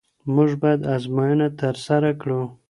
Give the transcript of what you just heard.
موږ باید آزموینه ترسره کړو.